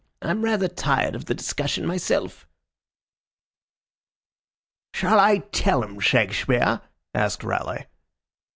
"I'm rather tired of the discussion myself." "Shall I tell 'em, Shakespeare?" asked Raleigh.